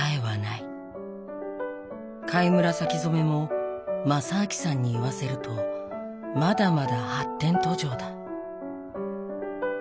貝紫染めも正明さんに言わせるとまだまだ発展途上だ。